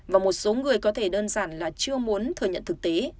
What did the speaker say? và một số người có thể đơn giản là chưa muốn thừa nhận thực tế